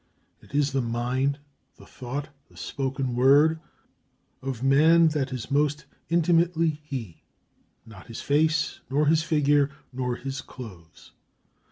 It is the mind, the thought, the spoken word, of man that is most intimately he; not his face, nor his figure, nor his clothes.